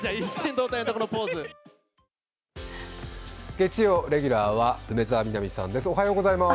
月曜レギュラーは梅澤美波さんです。